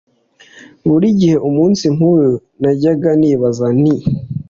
Buri gihe umunsi nk’uyu najyaga nibaza nti